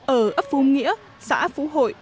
ở ấp phung nghĩa xã phú hội